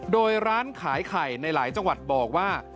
โดยร้านขายไข่ในหลายจังหวัดบอกว่า